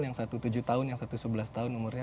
yang satu tujuh tahun yang satu sebelas tahun umurnya